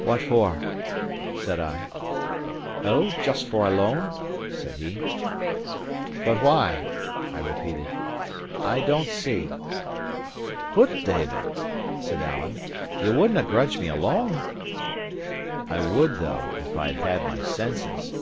"What for?" said I. "O, just for a loan," said he. "But why?" I repeated. "I don't see." "Hut, David!" said Alan, "ye wouldnae grudge me a loan?" I would, though, if I had had my senses!